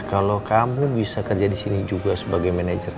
kalau kamu bisa kerja di sini juga sebagai manajer